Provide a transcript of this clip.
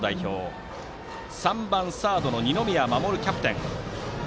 バッターは３番サードの二宮士、キャプテン。